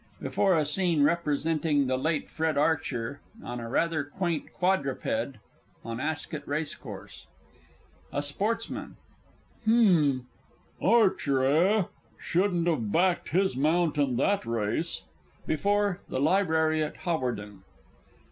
Before a Scene representing the late Fred Archer, on a rather quaint quadruped, on Ascot Racecourse. A SPORTSMAN. H'm Archer, eh? Shouldn't have backed his mount in that race! _Before "The Library at Hawarden."